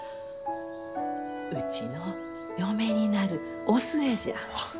うちの嫁になるお寿恵じゃ。